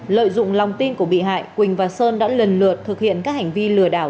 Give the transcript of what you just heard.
lợi dụng lòng tin của bị hại quỳnh và sơn đã lần lượt thực hiện các hành vi lừa đảo